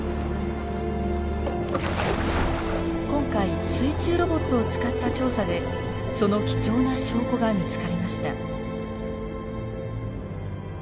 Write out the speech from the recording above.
今回水中ロボットを使った調査でその貴重な証拠が見つかりました。